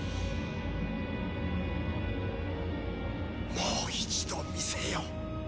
もう一度見せよ